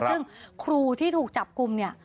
ซึ่งครูที่ถูกจับกลุ่มเนี่ย